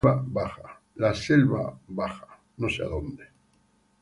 La Selva Baja.